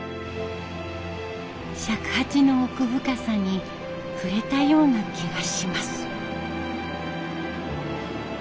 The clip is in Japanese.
尺八の奥深さにふれたような気がします。